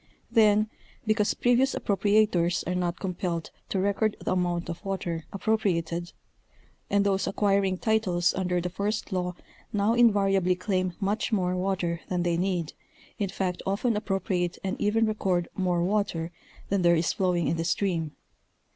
Then, because previous appropriators are not compelled to record the amount of water appropriated, and those acquiring titles under the first law now invariably claim much more water than they need, in fact often appropriate and even record more water than there is flowing in the stream.